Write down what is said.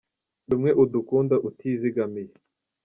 Rumwe udukunda utizigamiye